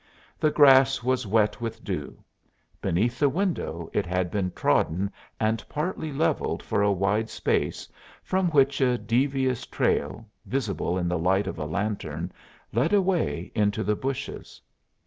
The grass was wet with dew; beneath the window it had been trodden and partly leveled for a wide space, from which a devious trail, visible in the light of a lantern, led away into the bushes.